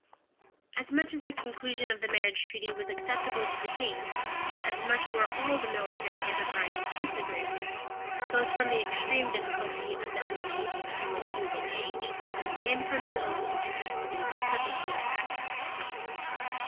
As much as the conclusion of the marriage treaty was acceptable to the king, as much were all the military enterprises disagreeable, both from the extreme difficulty of the undertaking in which he was engaged, and from his own incapacity for such a scene of action.